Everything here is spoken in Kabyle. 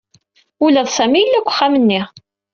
Ula d Sami yella deg uxxam-nni.